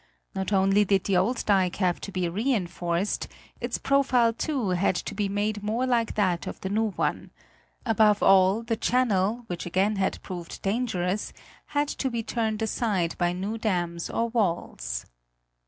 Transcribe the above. Not only did the old dike have to be reenforced, its profile, too, had to be made more like that of the new one; above all, the channel, which again had proved dangerous, had to be turned aside by new dams or walls.